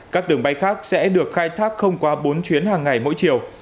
các đường bay khác sẽ được khai thác không quá bốn chuyến hàng ngày mỗi chiều